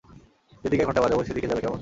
যে দিকেই ঘণ্টা বাজাব, সেদিকে যাবে, কেমন?